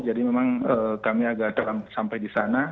jadi memang kami agak dalam sampai di sana